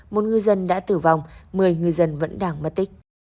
một ngư dân đã tử vong một mươi ngư dân vẫn đang mất tích